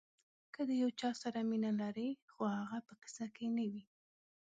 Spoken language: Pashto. که د یو چا سره مینه لرئ خو هغه په قصه کې نه وي.